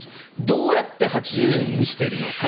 どうやって８０円にしているのか。